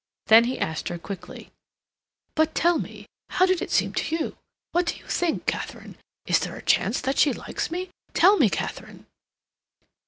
Then he asked her quickly, "But tell me, how did it seem to you? What did you think, Katharine? Is there a chance that she likes me? Tell me, Katharine!"